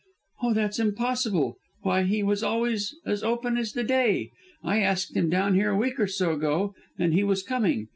"Oh, that's impossible. Why, he was always as open as the day. I asked him down here a week or so ago and he was coming.